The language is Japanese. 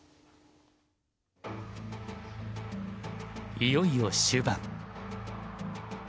いよいよ終盤。